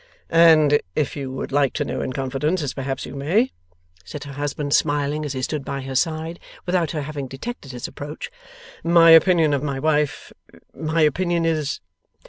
'And if you would like to know in confidence, as perhaps you may,' said her husband, smiling, as he stood by her side, without her having detected his approach, 'my opinion of my wife, my opinion is